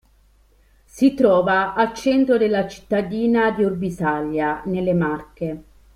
Si trova al centro della cittadina di Urbisaglia, nelle Marche.